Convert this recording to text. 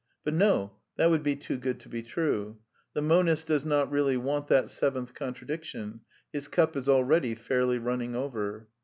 But no — that would be too good to be true. The monist does not really want that s eventh contradiction. His cup is already fairly running over.